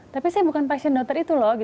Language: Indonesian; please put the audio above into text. tapi saya bukan pasien dokter itu loh